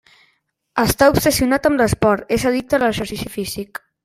Està obsessionat amb l'esport: és addicte a exercici físic.